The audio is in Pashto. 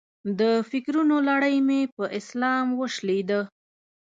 د فکرونو لړۍ مې په سلام وشلېده.